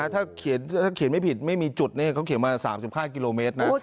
ถ้าเขียนไม่ผิดไม่มีจุดเขาเขียนมา๓๕กิโลเมตรนะ